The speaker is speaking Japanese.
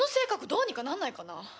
どうにかなんないかな？